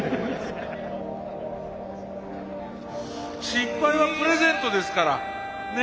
失敗はプレゼントですからね。